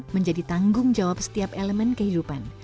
menjadi tanggung jawab setiap elemen kehidupan